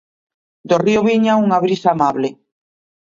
Do río viña unha brisa amable.